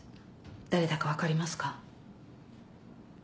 誰だか分かりますか？